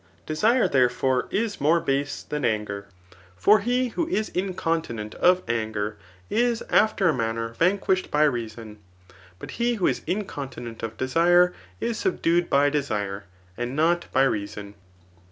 De sore, therefore, is more base than anger» For he who is incontinent of anger, is after a manner vanquished by reason ; but he who is incontinent of desire, is subdued by desire, and not by reason.